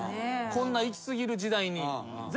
こんないき過ぎる時代に。